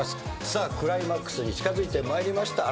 さあクライマックスに近づいてまいりました。